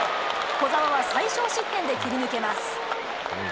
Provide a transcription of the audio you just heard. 小澤は最少失点で切り抜けます。